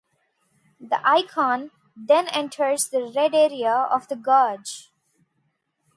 The icon then enters the red area of the gauge.